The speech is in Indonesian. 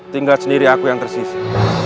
tinggal sendiri aku yang tersisir